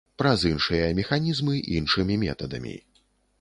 Праз іншыя механізмы, іншымі метадамі.